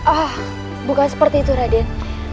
ah bukan seperti itu raden